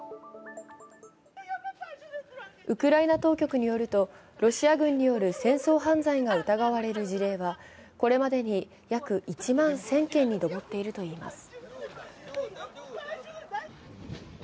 ウクライナ当局によるとロシア軍による戦争犯罪が疑われる事例はこれまでに約１万１０００件に上っているといいます。